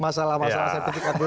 masalah masalah sertifikat dulu